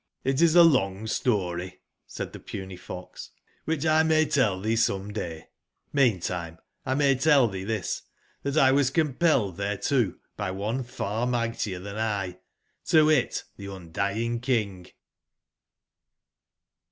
"jS?''ltis a long story,'' said thepuny fox, ''whichlmay tell thee someday. jVIcantimclmay tell thee this, that 1 was compelled thereto by one far mightier than 1, to wit the Gndying King."